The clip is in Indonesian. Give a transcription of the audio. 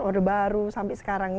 order baru sampai sekarang ini